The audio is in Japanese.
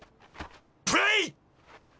プレイ！